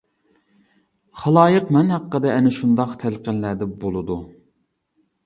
خالايىق مەن ھەققىدە ئەنە شۇنداق تەلقىنلەردە بولىدۇ.